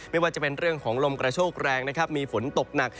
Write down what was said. ไม่ว่าจะเป็นเรื่องของลมกระโชกแรงนะครับมีฝนตกหนัก